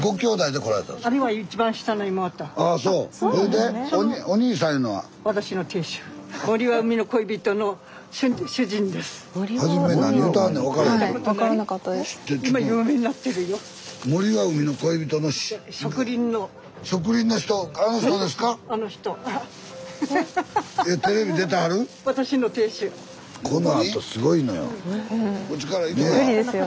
このあとすごいのよ。